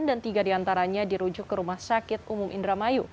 dan tiga diantaranya dirujuk ke rumah sakit umum indramayu